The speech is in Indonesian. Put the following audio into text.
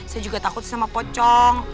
saya juga takut sama pocong